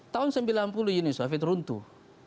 tahun sembilan puluh uni soviet runtuh